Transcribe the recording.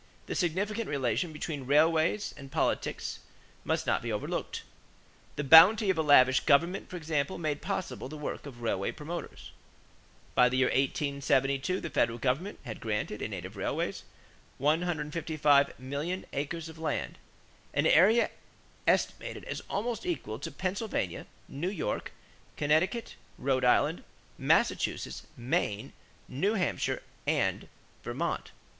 The significant relation between railways and politics must not be overlooked. The bounty of a lavish government, for example, made possible the work of railway promoters. By the year 1872 the Federal government had granted in aid of railways 155,000,000 acres of land an area estimated as almost equal to Pennsylvania, New York, Connecticut, Rhode Island, Massachusetts, Maine, New Hampshire, and Vermont.